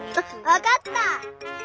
わかった！